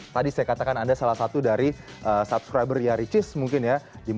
tadi saya katakan anda salah satu dari subscriber ya ricis mungkin ya